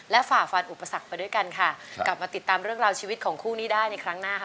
ฝ่าฟันอุปสรรคไปด้วยกันค่ะกลับมาติดตามเรื่องราวชีวิตของคู่นี้ได้ในครั้งหน้าค่ะ